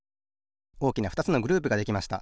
おおきなふたつのグループができました。